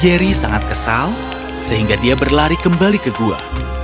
jerry sangat kesal sehingga dia berlari kembali ke gua